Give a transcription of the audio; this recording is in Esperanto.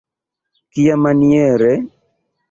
Kiamaniere?